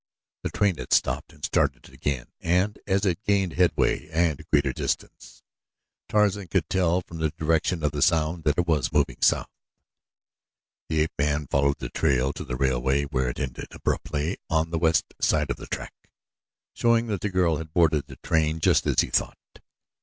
The train had stopped and started again and, as it gained headway and greater distance, Tarzan could tell from the direction of the sound that it was moving south. The ape man followed the trail to the railway where it ended abruptly on the west side of the track, showing that the girl had boarded the train, just as he thought.